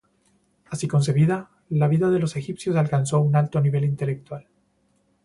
Así concebida, la vida de los egipcios alcanzó un alto nivel intelectual.